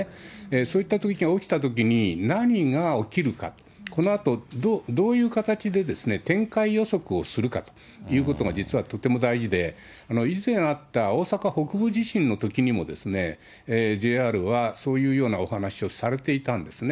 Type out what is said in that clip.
そういった、起きたときに、何が起きるか、このあと、どういう形で展開予測をするかということが、実はとても大事で、以前あった大阪北部地震のときにも、ＪＲはそういうようなお話をされていたんですね。